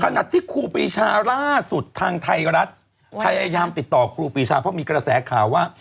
นัดที่ครูปีชาล่าสุดทางไทยรัฐพยายามติดต่อครูปีชาเพราะมีกระแสข่าวว่า